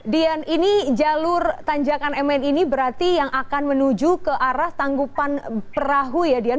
dian ini jalur tanjakan mn ini berarti yang akan menuju ke arah tanggupan perahu ya dian